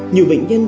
nhiều bệnh nhân